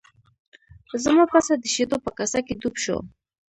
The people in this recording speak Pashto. زما پسه د شیدو په کاسه کې ډوب شو.